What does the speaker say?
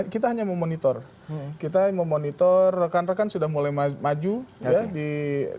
kita hanya memonitor kita memonitor rekan rekan sudah mulai maju ya di nomor tiga puluh enam dan nomor empat puluh ketika itu